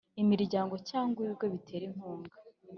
imiryango cyangwa ibigo bitera inkunga